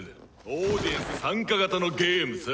オーディエンス参加型のゲームさ。